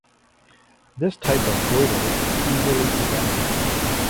This type of goiter is easily preventable.